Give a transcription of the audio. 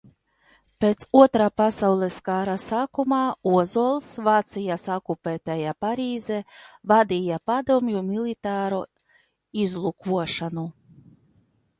Pēc Otrā pasaules kara sākuma Ozols Vācijas okupētajā Parīzē vadīja padomju militāro izlūkošanu.